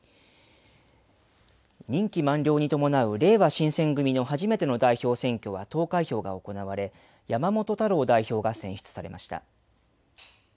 任期満了に伴うれいわ新選組の初めての代表選挙は投開票が行われ山本太郎代表が選出されました。